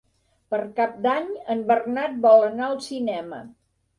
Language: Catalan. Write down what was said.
Per Cap d'Any en Bernat vol anar al cinema.